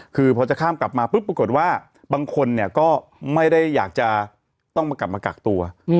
คือพอจะข้ามกลับมาปุ๊บปรากฏว่าบางคนเนี่ยก็ไม่ได้อยากจะต้องมากลับมากักตัว